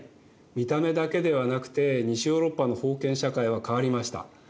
見た目だけではなくて西ヨーロッパの封建社会は変わりました。